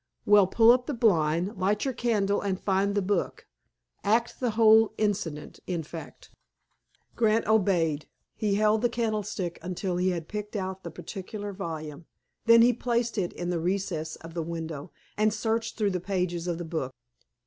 "Well, pull up the blind, light your candle, and find the book. Act the whole incident, in fact." Grant obeyed. He held the candlestick until he had picked out the particular volume; then he placed it in the recess of the window, and searched through the pages of the book.